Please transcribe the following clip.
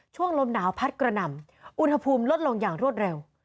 ลมหนาวพัดกระหน่ำอุณหภูมิลดลงอย่างรวดเร็ว